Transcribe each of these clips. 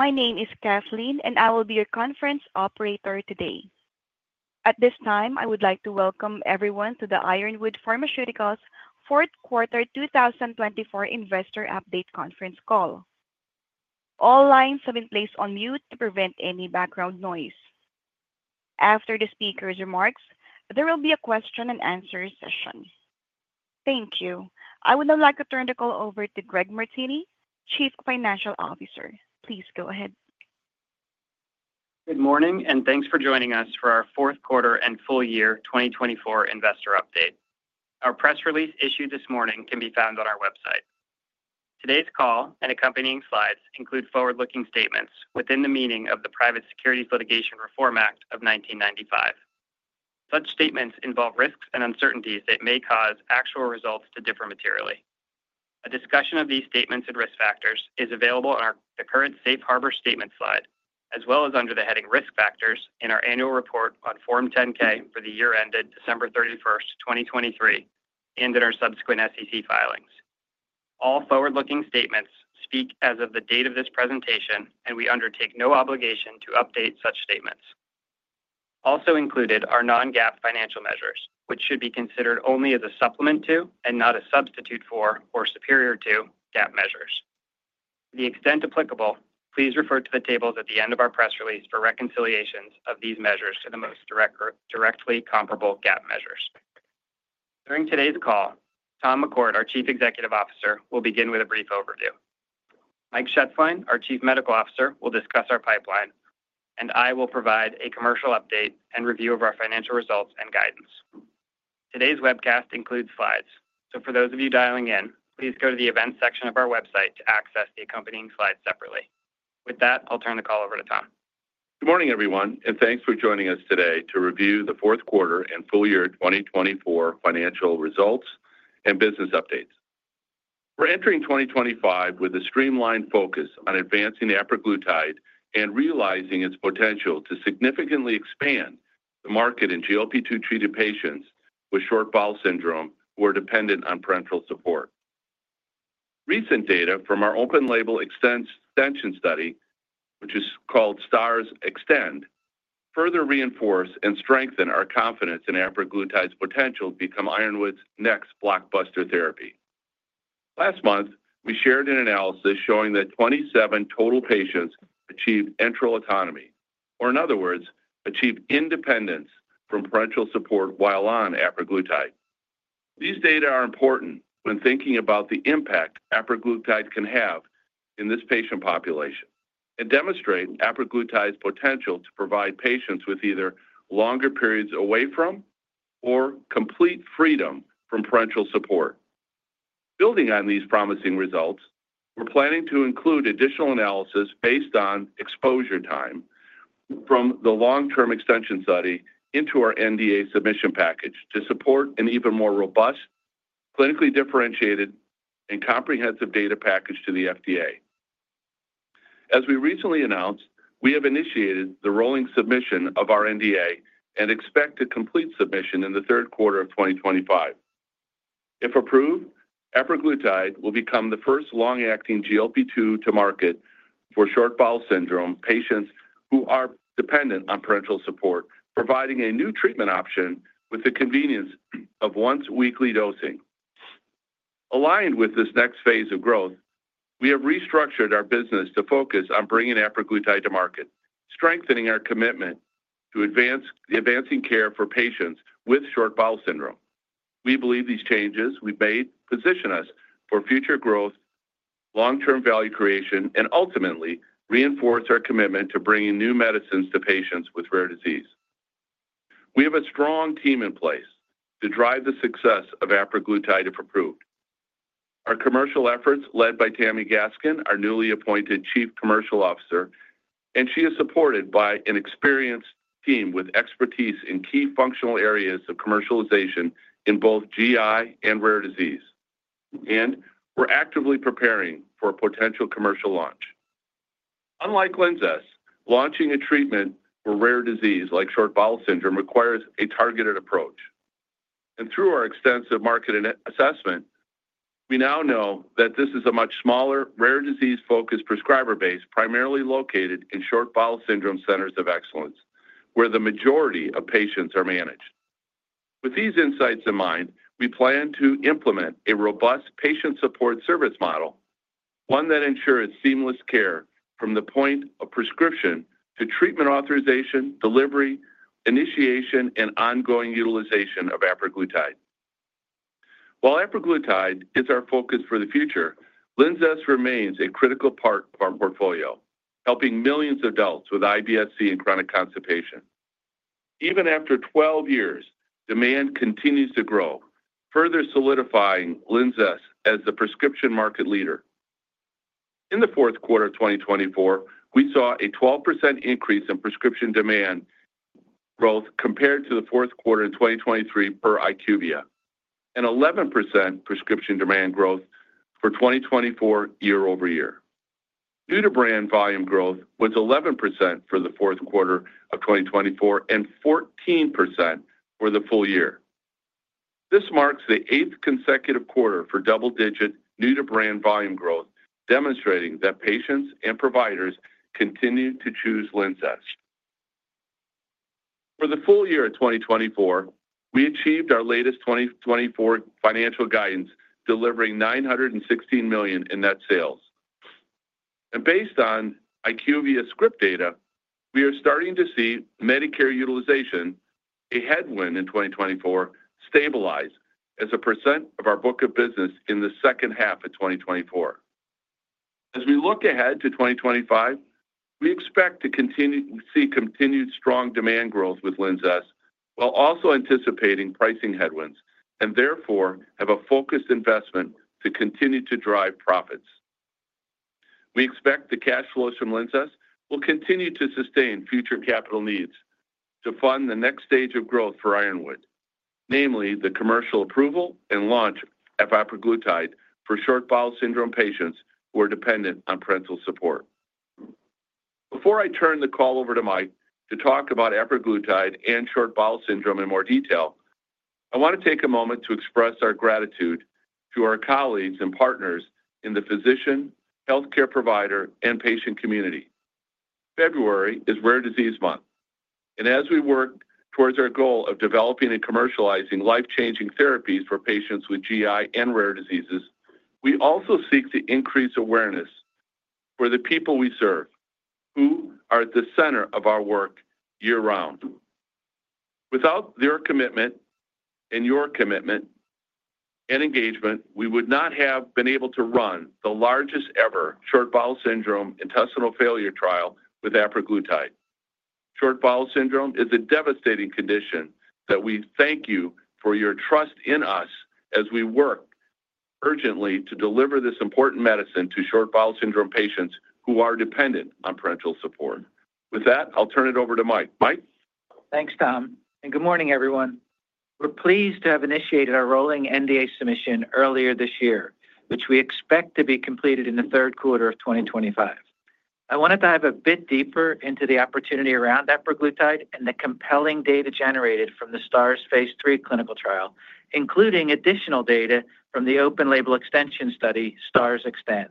My name is Kathleen, and I will be your conference operator today. At this time, I would like to welcome everyone to the Ironwood Pharmaceuticals Fourth Quarter 2024 Investor Update Conference Call. All lines have been placed on mute to prevent any background noise. After the speaker's remarks, there will be a question-and-answer session. Thank you. I would now like to turn the call over to Greg Martini, Chief Financial Officer. Please go ahead. Good morning, and thanks for joining us for our Fourth Quarter and Full Year 2024 Investor Update. Our press release issued this morning can be found on our website. Today's call and accompanying slides include forward-looking statements within the meaning of the Private Securities Litigation Reform Act of 1995. Such statements involve risks and uncertainties that may cause actual results to differ materially. A discussion of these statements and risk factors is available on the current Safe Harbor Statement slide, as well as under the heading Risk Factors in our annual report on Form 10-K for the year ended December 31, 2023, and in our subsequent SEC filings. All forward-looking statements speak as of the date of this presentation, and we undertake no obligation to update such statements. Also included are non-GAAP financial measures, which should be considered only as a supplement to and not a substitute for or superior to GAAP measures. To the extent applicable, please refer to the tables at the end of our press release for reconciliations of these measures to the most directly comparable GAAP measures. During today's call, Tom McCourt, our Chief Executive Officer, will begin with a brief overview. Mike Shetzline, our Chief Medical Officer, will discuss our pipeline, and I will provide a commercial update and review of our financial results and guidance. Today's webcast includes slides, so for those of you dialing in, please go to the Events section of our website to access the accompanying slides separately. With that, I'll turn the call over to Tom. Good morning, everyone, and thanks for joining us today to review the fourth quarter and full year 2024 financial results and business updates. We're entering 2025 with a streamlined focus on advancing apraglutide and realizing its potential to significantly expand the market in GLP-2 treated patients with short bowel syndrome who are dependent on parenteral support. Recent data from our open-label extension study, which is called STARS Extend, further reinforce and strengthen our confidence in apraglutide's potential to become Ironwood's next blockbuster therapy. Last month, we shared an analysis showing that 27 total patients achieved enteral autonomy, or in other words, achieved independence from parenteral support while on apraglutide. These data are important when thinking about the impact apraglutide can have in this patient population and demonstrate apraglutide's potential to provide patients with either longer periods away from or complete freedom from parenteral support. Building on these promising results, we're planning to include additional analysis based on exposure time from the long-term extension study into our NDA submission package to support an even more robust, clinically differentiated, and comprehensive data package to the FDA. As we recently announced, we have initiated the rolling submission of our NDA and expect a complete submission in the third quarter of 2025. If approved, apraglutide will become the first long-acting GLP-2 to market for short bowel syndrome patients who are dependent on parenteral support, providing a new treatment option with the convenience of once-weekly dosing. Aligned with this next phase of growth, we have restructured our business to focus on bringing apraglutide to market, strengthening our commitment to advancing care for patients with short bowel syndrome. We believe these changes we've made position us for future growth, long-term value creation, and ultimately reinforce our commitment to bringing new medicines to patients with rare disease. We have a strong team in place to drive the success of apraglutide if approved. Our commercial efforts, led by Tammi Gaskins, our newly appointed Chief Commercial Officer, and she is supported by an experienced team with expertise in key functional areas of commercialization in both GI and rare disease, and we're actively preparing for a potential commercial launch. Unlike LINZESS, launching a treatment for rare disease like short bowel syndrome requires a targeted approach, and through our extensive market assessment, we now know that this is a much smaller, rare disease-focused prescriber base, primarily located in short bowel syndrome centers of excellence, where the majority of patients are managed. With these insights in mind, we plan to implement a robust patient support service model, one that ensures seamless care from the point of prescription to treatment authorization, delivery, initiation, and ongoing utilization of apraglutide. While apraglutide is our focus for the future, LINZESS remains a critical part of our portfolio, helping millions of adults with IBS-C and chronic constipation. Even after 12 years, demand continues to grow, further solidifying LINZESS as the prescription market leader. In the fourth quarter of 2024, we saw a 12% increase in prescription demand growth compared to the fourth quarter in 2023 per IQVIA, and 11% prescription demand growth for 2024 year over year. New-to-brand volume growth was 11% for the fourth quarter of 2024 and 14% for the full year. This marks the eighth consecutive quarter for double-digit new-to-brand volume growth, demonstrating that patients and providers continue to choose LINZESS. For the full year of 2024, we achieved our latest 2024 financial guidance, delivering $916 million in net sales. Based on IQVIA's script data, we are starting to see Medicare utilization, a headwind in 2024, stabilize as a % of our book of business in the second half of 2024. As we look ahead to 2025, we expect to continue to see continued strong demand growth with LINZESS while also anticipating pricing headwinds and therefore have a focused investment to continue to drive profits. We expect the cash flows from LINZESS will continue to sustain future capital needs to fund the next stage of growth for Ironwood, namely the commercial approval and launch of apraglutide for short bowel syndrome patients who are dependent on parenteral support. Before I turn the call over to Mike to talk about apraglutide and short bowel syndrome in more detail, I want to take a moment to express our gratitude to our colleagues and partners in the physician, healthcare provider, and patient community. February is Rare Disease Month, and as we work towards our goal of developing and commercializing life-changing therapies for patients with GI and rare diseases, we also seek to increase awareness for the people we serve, who are at the center of our work year-round. Without their commitment and your commitment and engagement, we would not have been able to run the largest-ever short bowel syndrome intestinal failure trial with apraglutide. Short bowel syndrome is a devastating condition that we thank you for your trust in us as we work urgently to deliver this important medicine to short bowel syndrome patients who are dependent on parenteral support. With that, I'll turn it over to Mike. Mike. Thanks, Tom, and good morning, everyone. We're pleased to have initiated our rolling NDA submission earlier this year, which we expect to be completed in the third quarter of 2025. I wanted to dive a bit deeper into the opportunity around apraglutide and the compelling data generated from the STARS Phase III clinical trial, including additional data from the open-label extension study STARS Extend.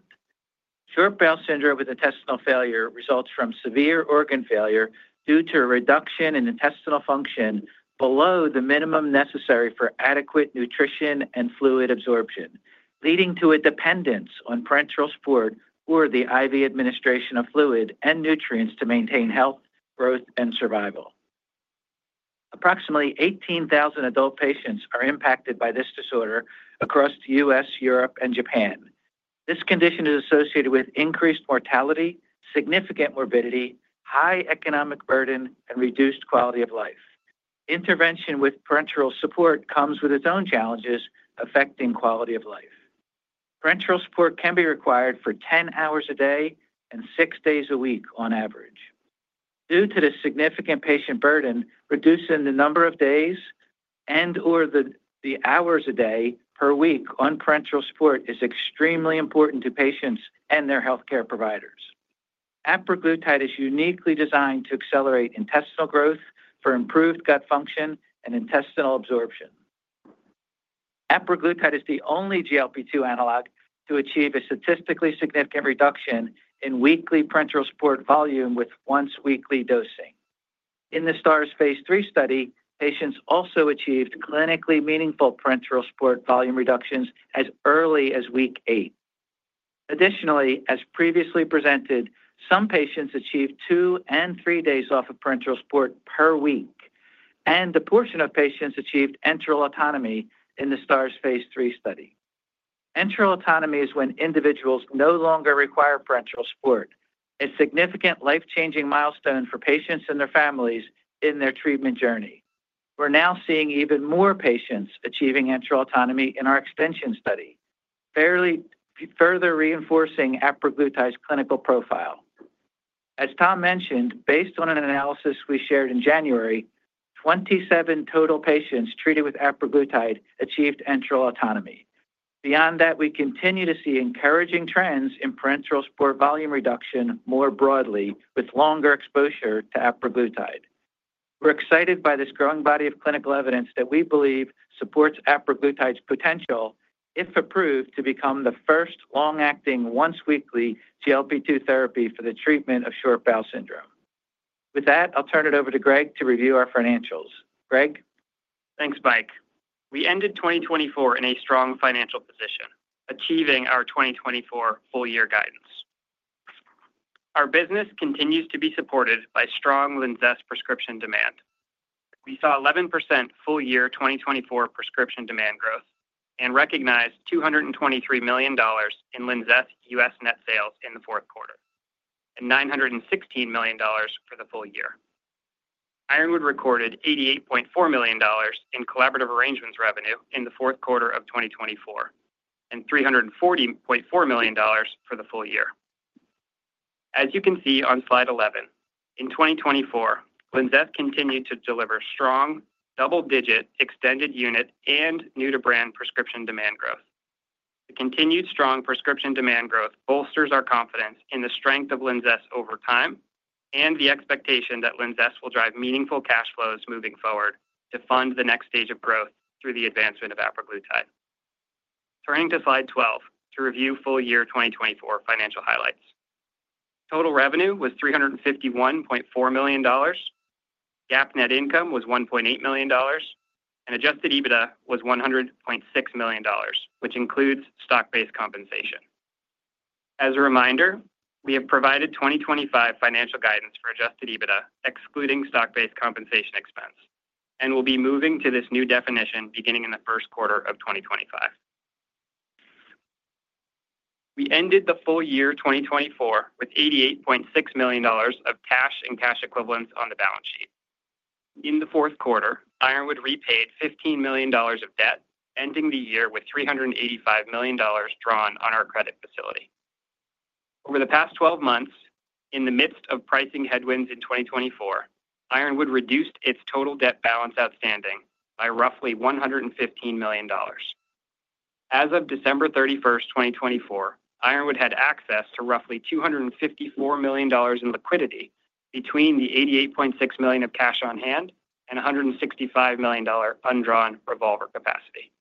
Short bowel syndrome with intestinal failure results from severe organ failure due to a reduction in intestinal function below the minimum necessary for adequate nutrition and fluid absorption, leading to a dependence on parenteral support or the IV administration of fluid and nutrients to maintain health, growth, and survival. Approximately 18,000 adult patients are impacted by this disorder across the U.S., Europe, and Japan. This condition is associated with increased mortality, significant morbidity, high economic burden, and reduced quality of life. Intervention with parenteral support comes with its own challenges affecting quality of life. Parenteral support can be required for 10 hours a day and six days a week on average. Due to the significant patient burden, reducing the number of days and/or the hours a day per week on parenteral support is extremely important to patients and their healthcare providers. Apraglutide is uniquely designed to accelerate intestinal growth for improved gut function and intestinal absorption. Apraglutide is the only GLP-2 analog to achieve a statistically significant reduction in weekly parenteral support volume with once-weekly dosing. In the STARS phase III study, patients also achieved clinically meaningful parenteral support volume reductions as early as week eight. Additionally, as previously presented, some patients achieved two and three days off of parenteral support per week, and a portion of patients achieved enteral autonomy in the STARS phase III study. Enteral autonomy is when individuals no longer require parenteral support, a significant life-changing milestone for patients and their families in their treatment journey. We're now seeing even more patients achieving enteral autonomy in our extension study, further reinforcing apraglutide's clinical profile. As Tom mentioned, based on an analysis we shared in January, 27 total patients treated with apraglutide achieved enteral autonomy. Beyond that, we continue to see encouraging trends in parenteral support volume reduction more broadly with longer exposure to apraglutide. We're excited by this growing body of clinical evidence that we believe supports apraglutide's potential if approved to become the first long-acting once-weekly GLP-2 therapy for the treatment of short bowel syndrome. With that, I'll turn it over to Greg to review our financials. Greg. Thanks, Mike. We ended 2024 in a strong financial position, achieving our 2024 full-year guidance. Our business continues to be supported by strong LINZESS prescription demand. We saw 11% full-year 2024 prescription demand growth and recognized $223 million in LINZESS U.S. net sales in the fourth quarter and $916 million for the full year. Ironwood recorded $88.4 million in collaborative arrangements revenue in the fourth quarter of 2024 and $340.4 million for the full year. As you can see on slide 11, in 2024, LINZESS continued to deliver strong double-digit extended unit and new-to-brand prescription demand growth. The continued strong prescription demand growth bolsters our confidence in the strength of LINZESS over time and the expectation that LINZESS will drive meaningful cash flows moving forward to fund the next stage of growth through the advancement of apraglutide. Turning to slide 12 to review full-year 2024 financial highlights. Total revenue was $351.4 million. GAAP net income was $1.8 million, and adjusted EBITDA was $100.6 million, which includes stock-based compensation. As a reminder, we have provided 2025 financial guidance for adjusted EBITDA, excluding stock-based compensation expense, and we'll be moving to this new definition beginning in the first quarter of 2025. We ended the full year 2024 with $88.6 million of cash and cash equivalents on the balance sheet. In the fourth quarter, Ironwood repaid $15 million of debt, ending the year with $385 million drawn on our credit facility. Over the past 12 months, in the midst of pricing headwinds in 2024, Ironwood reduced its total debt balance outstanding by roughly $115 million. As of December 31, 2024, Ironwood had access to roughly $254 million in liquidity between the $88.6 million of cash on hand and $165 million undrawn revolver capacity.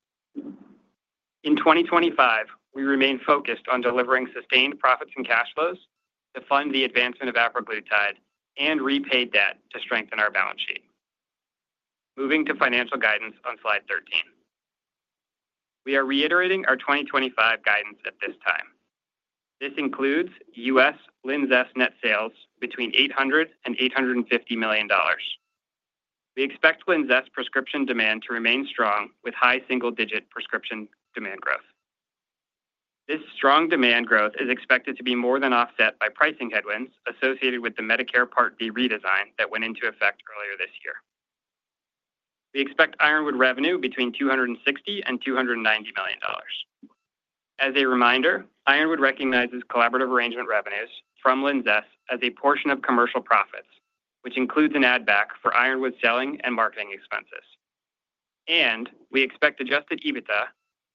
In 2025, we remain focused on delivering sustained profits and cash flows to fund the advancement of apraglutide and repaid debt to strengthen our balance sheet. Moving to financial guidance on slide 13. We are reiterating our 2025 guidance at this time. This includes U.S. LINZESS net sales between $800 million and $850 million. We expect LINZESS prescription demand to remain strong with high single-digit prescription demand growth. This strong demand growth is expected to be more than offset by pricing headwinds associated with the Medicare Part D redesign that went into effect earlier this year. We expect Ironwood revenue between $260 million and $290 million. As a reminder, Ironwood recognizes collaborative arrangement revenues from LINZESS as a portion of commercial profits, which includes an add-back for Ironwood selling and marketing expenses. We expect adjusted EBITDA,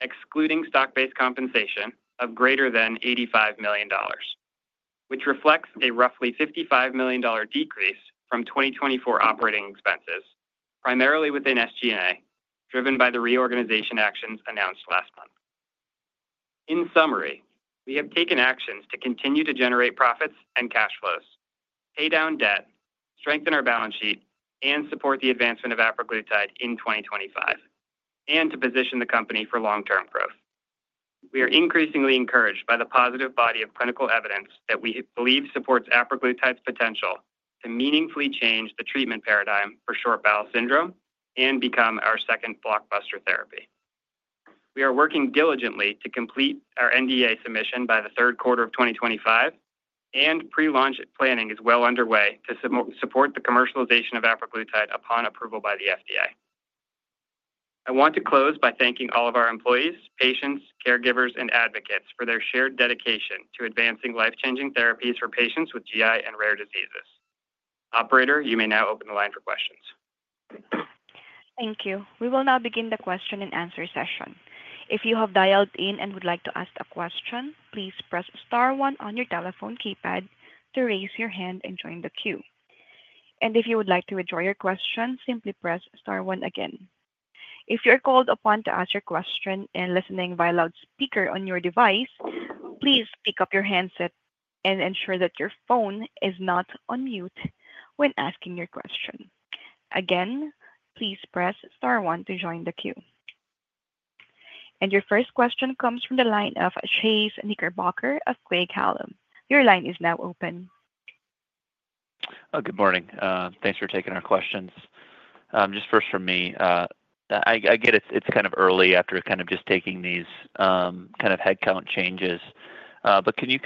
excluding stock-based compensation, of greater than $85 million, which reflects a roughly $55 million decrease from 2024 operating expenses, primarily within SG&A, driven by the reorganization actions announced last month. In summary, we have taken actions to continue to generate profits and cash flows, pay down debt, strengthen our balance sheet, and support the advancement of apraglutide in 2025, and to position the company for long-term growth. We are increasingly encouraged by the positive body of clinical evidence that we believe supports apraglutide's potential to meaningfully change the treatment paradigm for short bowel syndrome and become our second blockbuster therapy. We are working diligently to complete our NDA submission by the third quarter of 2025, and pre-launch planning is well underway to support the commercialization of apraglutide upon approval by the FDA. I want to close by thanking all of our employees, patients, caregivers, and advocates for their shared dedication to advancing life-changing therapies for patients with GI and rare diseases. Operator, you may now open the line for questions. Thank you. We will now begin the question-and-answer session. If you have dialed in and would like to ask a question, please press star one on your telephone keypad to raise your hand and join the queue. If you would like to withdraw your question, simply press star one again. If you're called upon to ask your question and listening via loudspeaker on your device, please pick up your handset and ensure that your phone is not on mute when asking your question. Again, please press star one to join the queue. Your first question comes from the line of Chase Knickerbocker of Craig-Hallum. Your line is now open. Good morning. Thanks for taking our questions. Just first for me, I get it's kind of early after just taking these headcount changes, but can you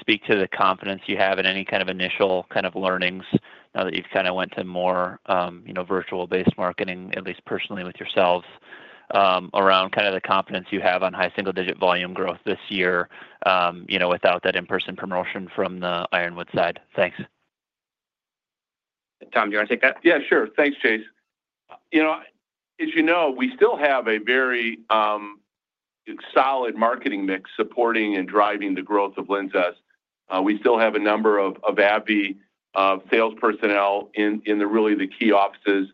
speak to the confidence you have in any initial learnings now that you've went to more virtual-based marketing, at least personally with yourselves, around the confidence you have on high single-digit volume growth this year without that in-person promotion from the Ironwood side? Thanks. Tom, do you want to take that? Yeah, sure. Thanks, Chase. As you know, we still have a very solid marketing mix supporting and driving the growth of LINZESS. We still have a number of AbbVie sales personnel in really the key offices.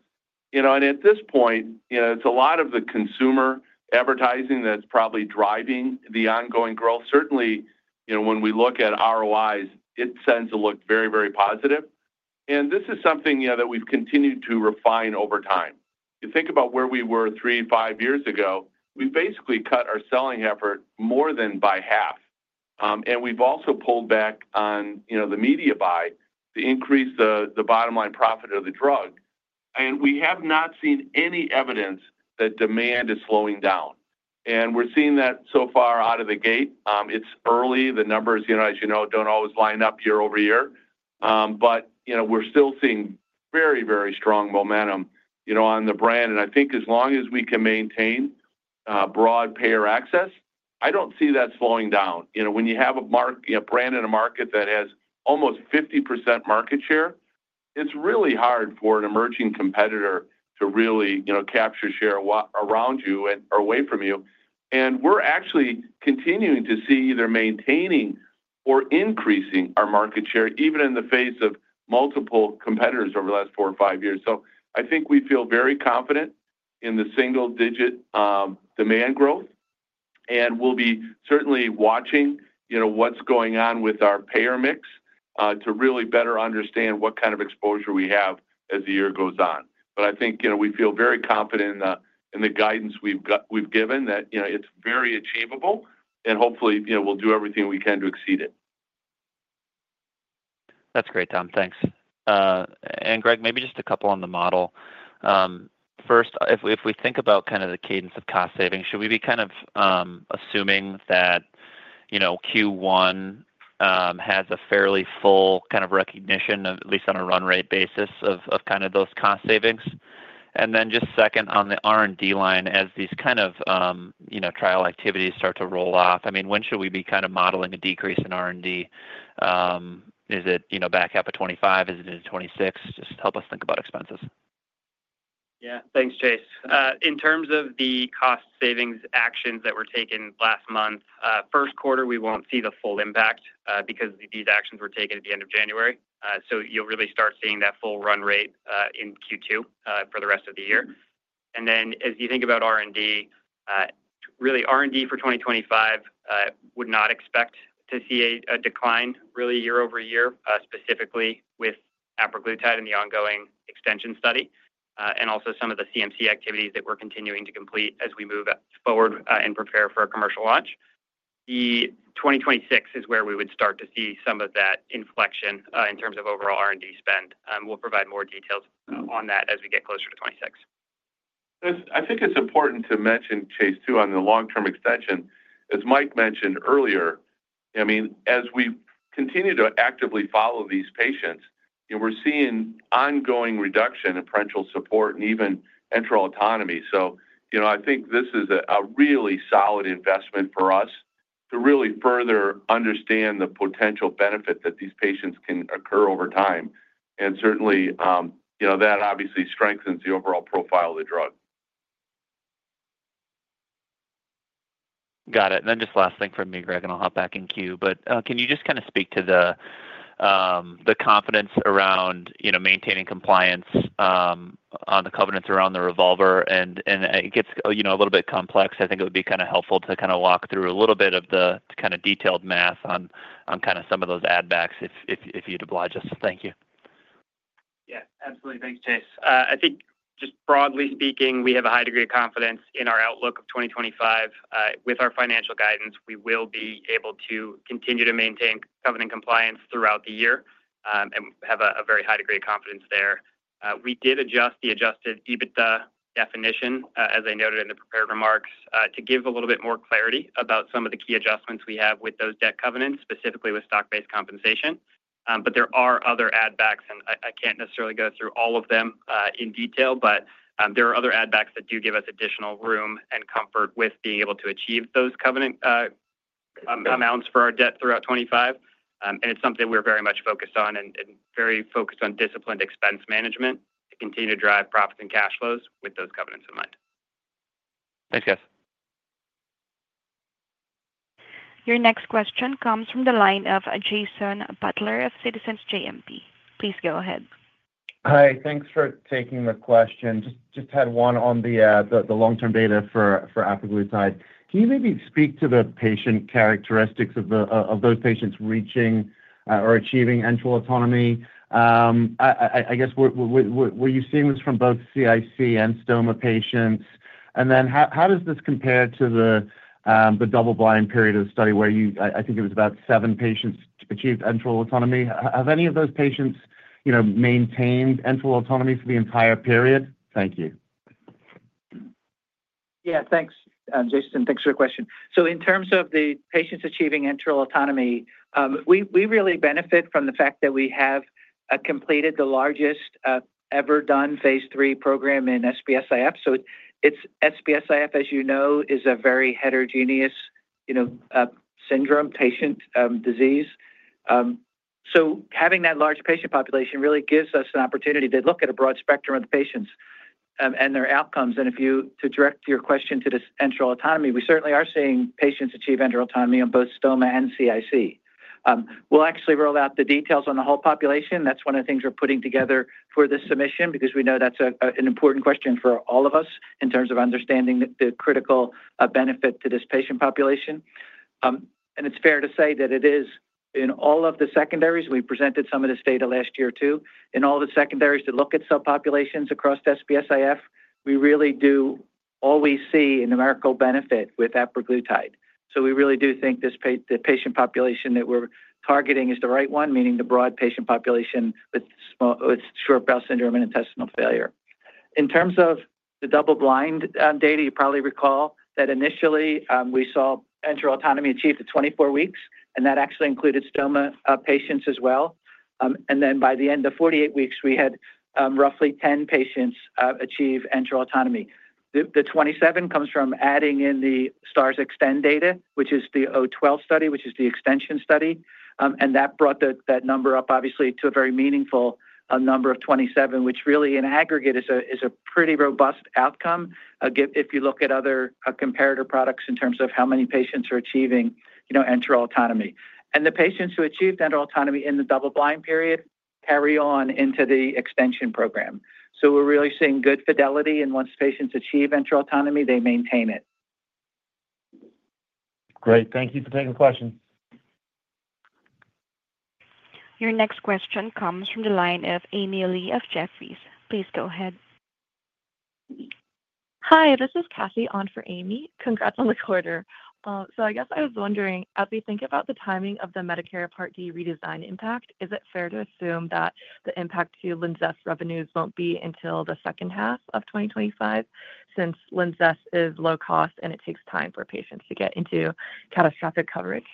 At this point, it's a lot of the consumer advertising that's probably driving the ongoing growth. Certainly, when we look at ROIs, it tends to look very, very positive. This is something that we've continued to refine over time. If you think about where we were three, five years ago, we basically cut our selling effort more than by half. We've also pulled back on the media buy, the increase of the bottom-line profit of the drug. We have not seen any evidence that demand is slowing down. We're seeing that so far out of the gate. It's early. The numbers, as you know, do not always line up year over year. We are still seeing very, very strong momentum on the brand. I think as long as we can maintain broad payer access, I do not see that slowing down. When you have a brand in a market that has almost 50% market share, it is really hard for an emerging competitor to really capture share around you or away from you. We are actually continuing to see either maintaining or increasing our market share, even in the face of multiple competitors over the last four or five years. I think we feel very confident in the single-digit demand growth. We will be certainly watching what is going on with our payer mix to really better understand what kind of exposure we have as the year goes on. I think we feel very confident in the guidance we've given, that it's very achievable, and hopefully, we'll do everything we can to exceed it. That's great, Tom. Thanks. Greg, maybe just a couple on the model. First, if we think about kind of the cadence of cost saving, should we be kind of assuming that Q1 has a fairly full kind of recognition, at least on a run rate basis, of kind of those cost savings? Just second, on the R&D line, as these kind of trial activities start to roll off, I mean, when should we be kind of modeling a decrease in R&D? Is it back half of 2025? Is it in 2026? Just help us think about expenses. Yeah. Thanks, Chase. In terms of the cost savings actions that were taken last month, first quarter, we won't see the full impact because these actions were taken at the end of January. You will really start seeing that full run rate in Q2 for the rest of the year. As you think about R&D, really, R&D for 2025 would not expect to see a decline really year over year, specifically with apraglutide and the ongoing extension study, and also some of the CMC activities that we are continuing to complete as we move forward and prepare for a commercial launch. The 2026 is where we would start to see some of that inflection in terms of overall R&D spend. We will provide more details on that as we get closer to 2026. I think it's important to mention, Chase, too, on the long-term extension. As Mike mentioned earlier, I mean, as we continue to actively follow these patients, we're seeing ongoing reduction in parenteral support and even enteral autonomy. I think this is a really solid investment for us to really further understand the potential benefit that these patients can occur over time. Certainly, that obviously strengthens the overall profile of the drug. Got it. Last thing from me, Greg, I'll hop back in queue. Can you just kind of speak to the confidence around maintaining compliance on the covenants around the revolver? It gets a little bit complex. I think it would be kind of helpful to walk through a little bit of the detailed math on some of those add-backs if you'd oblige. Thank you. Yeah. Absolutely. Thanks, Chase. I think just broadly speaking, we have a high degree of confidence in our outlook of 2025. With our financial guidance, we will be able to continue to maintain covenant compliance throughout the year and have a very high degree of confidence there. We did adjust the adjusted EBITDA definition, as I noted in the prepared remarks, to give a little bit more clarity about some of the key adjustments we have with those debt covenants, specifically with stock-based compensation. There are other add-backs, and I can't necessarily go through all of them in detail, but there are other add-backs that do give us additional room and comfort with being able to achieve those covenant amounts for our debt throughout 2025. It is something we're very much focused on and very focused on disciplined expense management to continue to drive profits and cash flows with those covenants in mind. Thanks, guys. Your next question comes from the line of Jason Butler of Citizens JMP. Please go ahead. Hi. Thanks for taking the question. Just had one on the long-term data for apraglutide. Can you maybe speak to the patient characteristics of those patients reaching or achieving enteral autonomy? I guess, were you seeing this from both CIC and stoma patients? How does this compare to the double-blind period of the study where I think it was about seven patients achieved enteral autonomy? Have any of those patients maintained enteral autonomy for the entire period? Thank you. Yeah. Thanks, Jason. Thanks for your question. In terms of the patients achieving enteral autonomy, we really benefit from the fact that we have completed the largest ever done phase three program in SBS-IF. SBS-IF, as you know, is a very heterogeneous syndrome patient disease. Having that large patient population really gives us an opportunity to look at a broad spectrum of the patients and their outcomes. To direct your question to enteral autonomy, we certainly are seeing patients achieve enteral autonomy on both stoma and CIC. We'll actually roll out the details on the whole population. That's one of the things we're putting together for this submission because we know that's an important question for all of us in terms of understanding the critical benefit to this patient population. It's fair to say that it is in all of the secondaries. We presented some of this data last year too. In all the secondaries that look at subpopulations across SBS-IF, we really do always see a numerical benefit with apraglutide. We really do think the patient population that we're targeting is the right one, meaning the broad patient population with short bowel syndrome and intestinal failure. In terms of the double-blind data, you probably recall that initially we saw enteral autonomy achieved at 24 weeks, and that actually included stoma patients as well. By the end of 48 weeks, we had roughly 10 patients achieve enteral autonomy. The 27 comes from adding in the STARS Extend data, which is the 012 study, which is the extension study. That brought that number up, obviously, to a very meaningful number of 27, which really, in aggregate, is a pretty robust outcome if you look at other comparator products in terms of how many patients are achieving enteral autonomy. The patients who achieved enteral autonomy in the double-blind period carry on into the extension program. We are really seeing good fidelity. Once patients achieve enteral autonomy, they maintain it. Great. Thank you for taking the question. Your next question comes from the line of Amy Li of Jefferies. Please go ahead. Hi. This is Kathy on for Amy. Congrats on the quarter. I guess I was wondering, as we think about the timing of the Medicare Part D redesign impact, is it fair to assume that the impact to LINZESS revenues won't be until the second half of 2025 since LINZESS is low-cost and it takes time for patients to get into catastrophic coverage?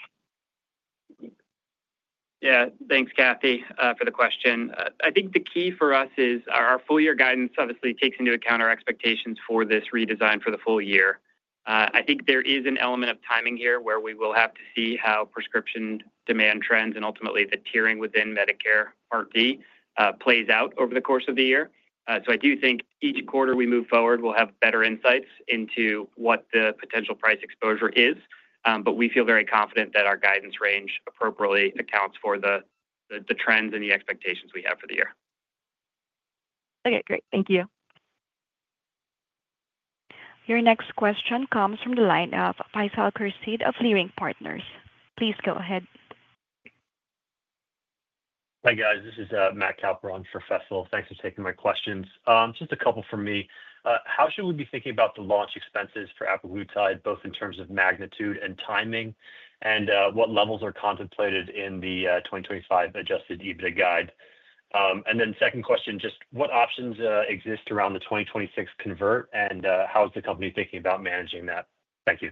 Yeah. Thanks, Kathy, for the question. I think the key for us is our full-year guidance obviously takes into account our expectations for this redesign for the full year. I think there is an element of timing here where we will have to see how prescription demand trends and ultimately the tiering within Medicare Part D plays out over the course of the year. I do think each quarter we move forward, we'll have better insights into what the potential price exposure is. We feel very confident that our guidance range appropriately accounts for the trends and the expectations we have for the year. Okay. Great. Thank you. Your next question comes from the line of Faisal Khurshid of Leerink Partners. Please go ahead. Hi, guys. This is Matt Cowper for Faisal Khurshid. Thanks for taking my questions. Just a couple for me. How should we be thinking about the launch expenses for apraglutide, both in terms of magnitude and timing, and what levels are contemplated in the 2025 adjusted EBITDA guide? Second question, just what options exist around the 2026 convert and how is the company thinking about managing that? Thank you.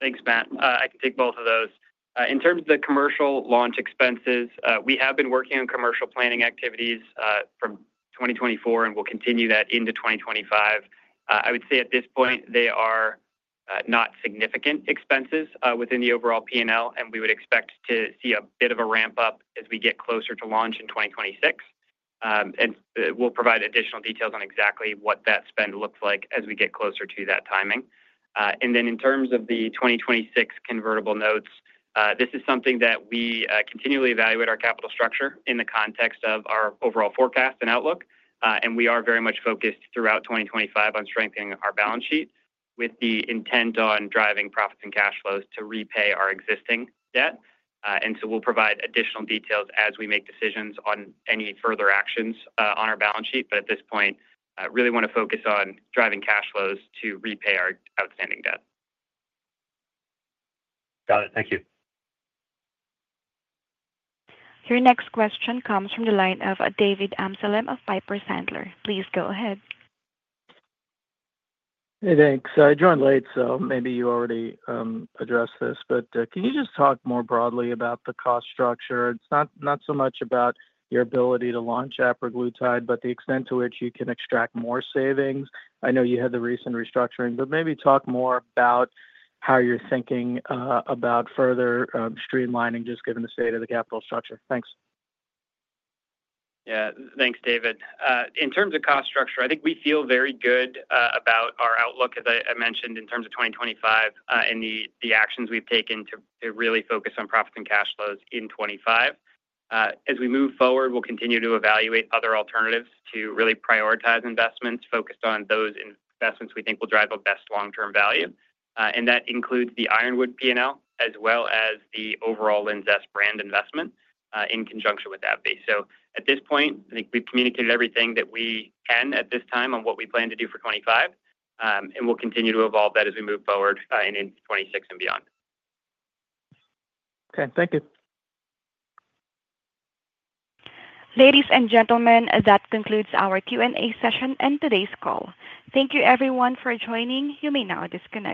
Thanks, Matt. I can take both of those. In terms of the commercial launch expenses, we have been working on commercial planning activities from 2024 and will continue that into 2025. I would say at this point, they are not significant expenses within the overall P&L, and we would expect to see a bit of a ramp up as we get closer to launch in 2026. We will provide additional details on exactly what that spend looks like as we get closer to that timing. In terms of the 2026 convertible notes, this is something that we continually evaluate our capital structure in the context of our overall forecast and outlook. We are very much focused throughout 2025 on strengthening our balance sheet with the intent on driving profits and cash flows to repay our existing debt. We will provide additional details as we make decisions on any further actions on our balance sheet. At this point, we really want to focus on driving cash flows to repay our outstanding debt. Got it. Thank you. Your next question comes from the line of David Amsellem of Piper Sandler. Please go ahead. Hey, thanks. I joined late, so maybe you already addressed this. Can you just talk more broadly about the cost structure? It's not so much about your ability to launch apraglutide, but the extent to which you can extract more savings. I know you had the recent restructuring, maybe talk more about how you're thinking about further streamlining just given the state of the capital structure. Thanks. Yeah. Thanks, David. In terms of cost structure, I think we feel very good about our outlook, as I mentioned, in terms of 2025 and the actions we've taken to really focus on profits and cash flows in '25. As we move forward, we'll continue to evaluate other alternatives to really prioritize investments focused on those investments we think will drive a best long-term value. That includes the Ironwood P&L as well as the overall LINZESS brand investment in conjunction with AbbVie. At this point, I think we've communicated everything that we can at this time on what we plan to do for 2025, and we'll continue to evolve that as we move forward in 2026 and beyond. Okay. Thank you. Ladies and gentlemen, that concludes our Q&A session and today's call. Thank you, everyone, for joining. You may now disconnect.